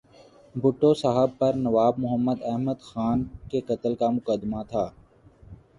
بھٹو صاحب پر نواب محمد احمد خان کے قتل کا مقدمہ تھا۔